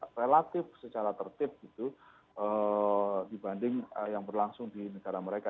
bagaimana pemilu di indonesia bisa berjalan relatif secara tertib gitu dibanding yang berlangsung di negara mereka